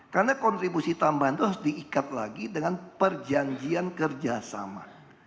karena kontribusi tambahan itu harus diikat lagi dengan perjanjian kerjasama